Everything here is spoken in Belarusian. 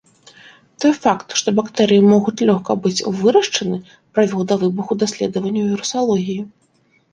Той факт, што бактэрыі могуць лёгка быць вырашчаны, прывёў да выбуху даследаванні вірусалогіі.